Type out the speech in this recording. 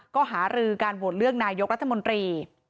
ก็หารือการโหวตเลือกนายกรัฐมนตรี